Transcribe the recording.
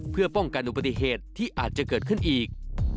เพื่อป้องกันอุบัติเหตุที่อาจจะเกิดขึ้นอีก